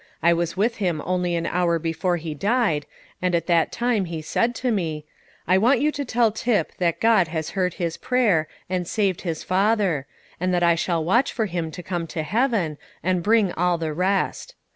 I was with him only an hour before he died, and at that time he said to me, 'I want you to tell Tip that God has heard his prayer, and saved his father; and that I shall watch for him to come to heaven, and bring all the rest.'